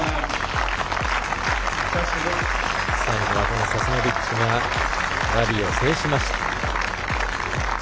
最後はサスノビッチがラリーを制しました。